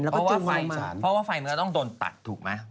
เพราะว่าไฟมือต้องตนตัดถูกไหม